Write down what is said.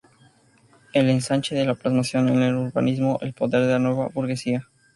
El ensanche es la plasmación en el urbanismo del poder de la nueva burguesía.